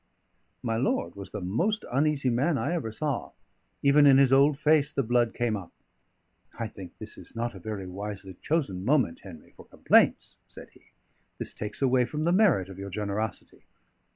My lord was the most uneasy man I ever saw; even in his old face the blood came up. "I think this is not a very wisely chosen moment, Henry, for complaints," said he. "This takes away from the merit of your generosity."